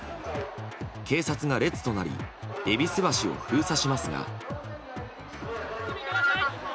警察が列となり戎橋を封鎖しますが。